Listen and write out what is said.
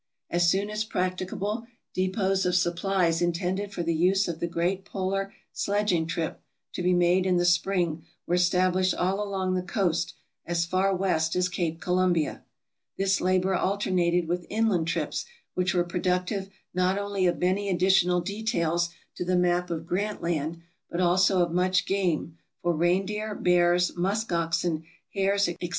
As soon as practicable, depots of supplies intended for the use of the great polar sledging trip to be made in the spring were established all along the coast as far west as Cape Columbia. This labor alternated with inland trips which were productive not only of many additional details to the map of Grant Land, but also of much game, for reindeer, bears, musk oxen, hares, etc.